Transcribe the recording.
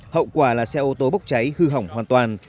hậu quả là xe ô tô bốc cháy hư hỏng hoàn toàn